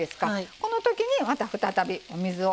このときにまた再びお水を。